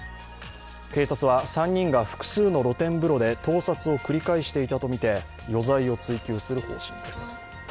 警察は３人が複数の露天風呂で盗撮を繰り返していたとみて、余罪を追及する方針です。